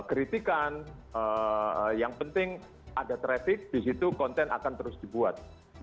kritikan yang penting ada traffic di situ konten akan terus dibuat